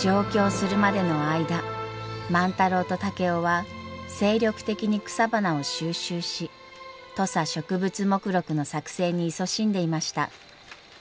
上京するまでの間万太郎と竹雄は精力的に草花を収集し土佐植物目録の作成にいそしんでいました。